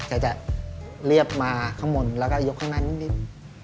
จะเรียบมาข้างบนแล้วก็ยกข้างหน้านิด